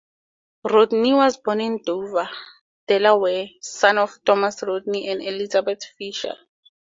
Rodney was born in Dover, Delaware, son of Thomas Rodney and Elizabeth Fisher.